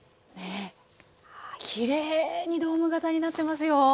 きれいにドーム形になってますよ。